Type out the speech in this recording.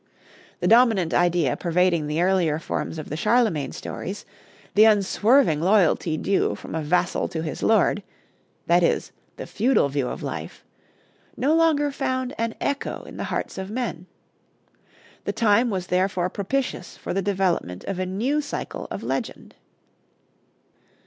The dominant idea pervading the earlier forms of the Charlemagne stories, the unswerving loyalty due from a vassal to his lord, that is, the feudal view of life, no longer found an echo in the hearts of men. The time was therefore propitious for the development of a new cycle of legend.